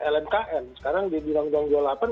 lmkn sekarang di undang undang dua puluh delapan